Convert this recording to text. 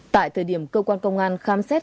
tại thời điểm cơ quan công an khám xét